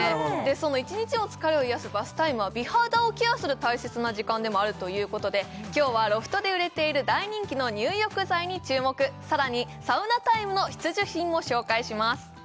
その１日の疲れを癒やすバスタイムは美肌をケアする大切な時間でもあるということで今日はロフトで売れている大人気の入浴剤に注目さらにサウナタイムの必需品も紹介します